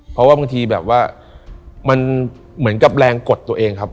เพราะว่าบางทีแบบว่ามันเหมือนกับแรงกดตัวเองครับ